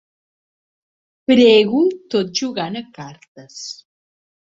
Prego tot jugant a cartes.